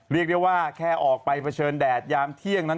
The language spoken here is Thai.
เรียกได้ว่าแค่ออกไปเผชิญแดดยามเที่ยงนั้น